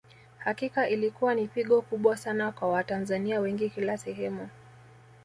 Hakika ilikuwa ni pigo kubwa Sana kwa Watanzania wengi kila sehemu